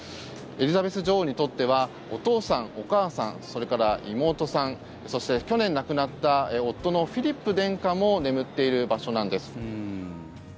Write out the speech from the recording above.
エリザベス女王にとってはお父さん、お母さんそれから妹さんそして、去年亡くなった夫のフィリップ殿下も眠っている場所なんです。